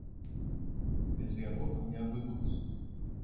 Без яго там не абыдуцца.